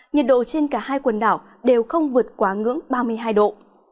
nhiệt độ trên cả hai quần đảo đều không vượt quá ngưỡng ba mươi hai độ